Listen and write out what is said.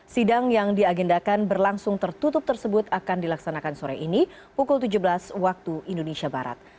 sidang yang diagendakan berlangsung tertutup tersebut akan dilaksanakan sore ini pukul tujuh belas waktu indonesia barat